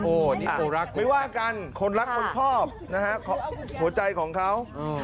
โอ้โหนี่ไม่ว่ากันคนรักคนชอบนะฮะหัวใจของเขา